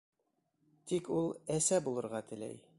Тик ул Әсә булырға теләй.